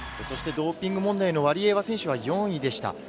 そしてドーピング問題のワリエワ選手は４位でした。